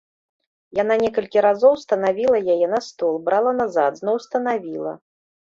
Яна некалькі разоў станавіла яе на стол, брала назад, зноў станавіла.